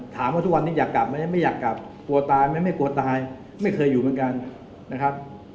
ถามว่าทุกวันนี้อยากกลับไหมไม่อยากกลับกลัวตายไหมไม่กลัวตายไม่เคยอยู่เหมือนกันนะครับ